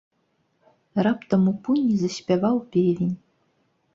Раптам у пуні заспяваў певень.